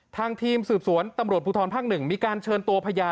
ทางทีมสืบสวนตำรวจภูทรภาค๑มีการเชิญตัวพยาน